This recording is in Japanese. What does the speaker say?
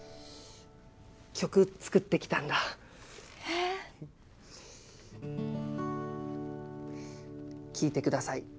曲作ってきたんだえ！聞いてください。